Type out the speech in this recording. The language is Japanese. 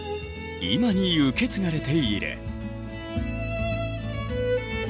今に受け継がれている。